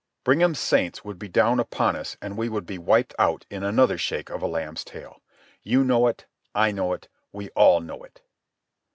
Brigham's Saints would be down upon us and we would be wiped out in another shake of a lamb's tail. You know it. I know it. We all know it."